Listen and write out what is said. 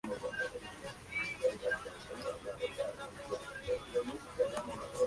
Ha sido restablecido recientemente a un estado más aproximado al original.